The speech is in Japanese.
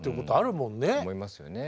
思いますよね。